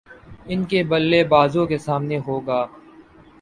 ان کے بلے بازوں کے سامنے ہو گا